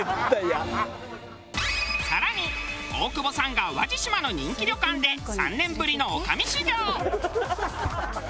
さらに大久保さんが淡路島の人気旅館で３年ぶりの女将修業。